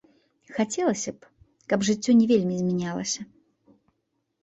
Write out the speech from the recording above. Хацелася б, каб жыццё не вельмі змянялася.